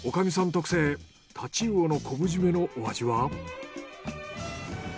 特製太刀魚の昆布じめのお味は？